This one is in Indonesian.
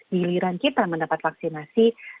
giliran kita mendapat vaksinasi